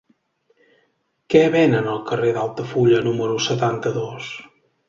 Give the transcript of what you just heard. Què venen al carrer d'Altafulla número setanta-dos?